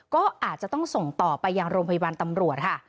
ก็อาจจะต้องส่งต่อไปยังโรงพยาบาลตำรวจค่ะ